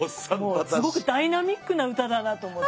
すごくダイナミックな歌だなと思って。